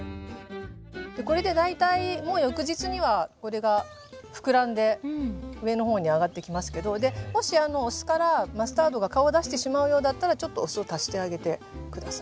これで大体もう翌日にはこれが膨らんで上の方に上がってきますけどもしお酢からマスタードが顔を出してしまうようだったらちょっとお酢を足してあげて下さい。